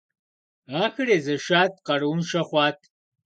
Ахэр езэшат, къарууншэ хъуат.